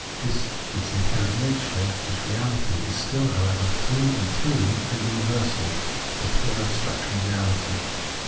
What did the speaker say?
This its inherent nature, this reality, is still, however, through and through a imiversal, the pure abstraction of reahty.